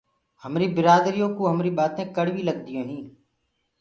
همري برآدري ڪوُ همري بآتينٚ ڪڙوي لگديونٚ هينٚ۔